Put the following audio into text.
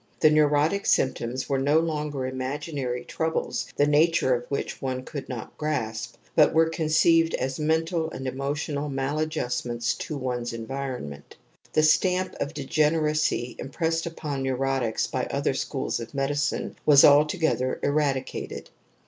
The neurotic symp toms were no longer imaginary troubles the nature of which one could not grasp, but were conceived as mental and emotional maladjustm ents to o ne^s environment. The stamp of degeneracy impressed upon neurotics by other schools of medicine was altogether eradicated.